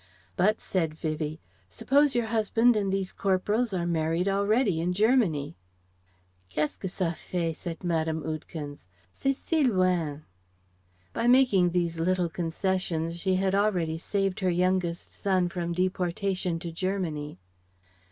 "But," said Vivie, "suppose your husband and these corporals are married already, in Germany?" "Qu'est ce que ça fait?" said Mme. Oudekens. "C'est si loin." By making these little concessions she had already saved her youngest son from deportation to Germany.